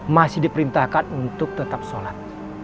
masih diperintahkan untuk tetap sholat